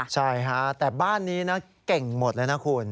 ใช่ฮะแต่บ้านนี้นะเก่งหมดเลยนะคุณ